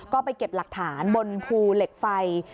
ก็ไปเก็บหลักฐานบนภูเหล็กไฟ